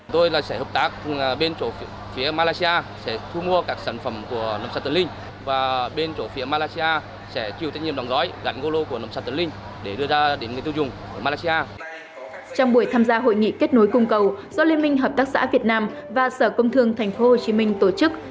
trong buổi tham gia hội nghị kết nối cung cầu do liên minh hợp tác xã việt nam và sở công thương tp hcm tổ chức